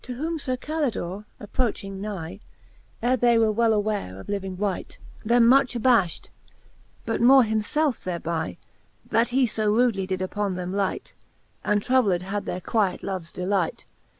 Tp whom Sir C alt dor e approaching nye, Ere they were well aware of living wight, Them much abaftit, but more him felfe thereby, That he fb rudely did uppon them light, And troubled had their quiet loves delight.